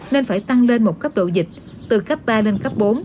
nên phải tăng lên một cấp độ dịch từ cấp ba lên cấp bốn